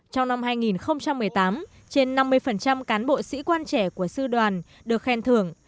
trong năm hai nghìn một mươi tám trên năm mươi cán bộ sĩ quan trẻ của sư đoàn được khen thưởng